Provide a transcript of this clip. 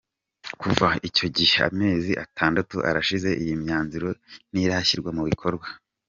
Kuva icyo gihe amezi atandatu arashize, iyi myanzuro ntirashyirwa mu bikorwa.